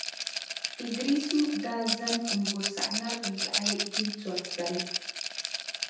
Iddrisu daa zani m-bo Sagnarigu yaɣili jintɔri tali